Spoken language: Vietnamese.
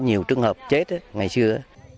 nhiều trường hợp chết ngày xưa